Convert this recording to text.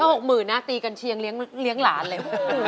ถ้า๖๐๐๐๐บาทตีกันเชียงเลี้ยงหลานเลย